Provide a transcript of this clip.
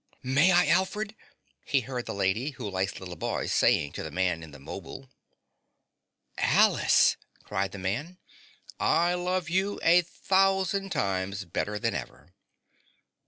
"May I, Alfred?" he heard the Lady Who Likes Little Boys saying to the man in the 'mobile. "Alice!" cried the man. "I love you a thousand times better than ever!"